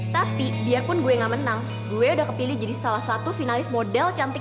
tapi biarpun gue gak menang gue udah kepilih jadi salah satu finalis model cantik